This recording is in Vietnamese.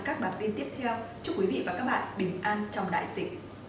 cảm ơn quý vị và các bạn đã theo dõi